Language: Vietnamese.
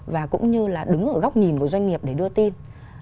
và cũng như là đứng ở góc nhìn của doanh nghiệp để đưa tin